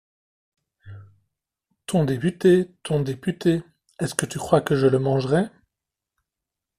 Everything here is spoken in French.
Ton député, ton député! est-ce que tu crois que je le mangerais?...